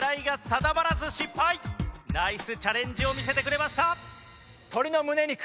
ナイスチャレンジを見せてくれました！